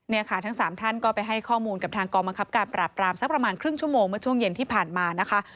เนี่ยค่ะทั้ง๓ท่านก็ไปให้ข้อมูลกับทางกองบังคับการปราบปรามสักประมาณครึ่งชั่วโมงเมื่อช่วงเย็นที่ผ่านมานะคะ